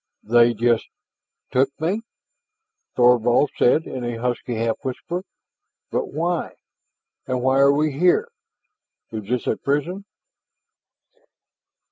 "They just took me!" Thorvald said in a husky half whisper. "But why? And why are we here? Is this a prison?"